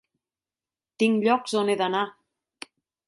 Tinc llocs on he d'anar.